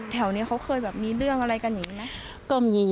แถวนี้เขาเคยแบบมีเรื่องอะไรกันอย่างนี้ไหม